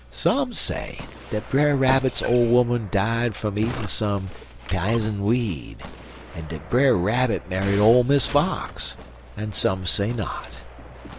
Some say dat Brer Rabbit's ole 'oman died fum eatin' some pizen weed, en dat Brer Rabbit married ole Miss Fox, en some say not.